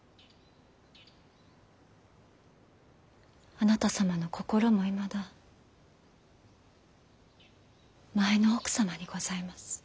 あなた様の心もいまだ前の奥様にございます。